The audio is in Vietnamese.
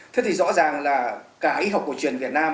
thế thì rõ ràng là cả y học cổ truyền việt nam